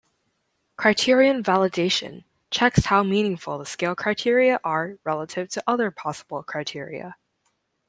Criterion validation checks how meaningful the scale criteria are relative to other possible criteria.